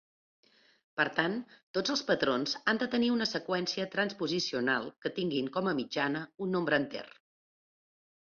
Per tant, tots els patrons han de tenir una seqüència transposicional que tinguin com a mitjana un nombre enter.